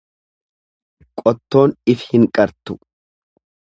Qottoon if hin qartu.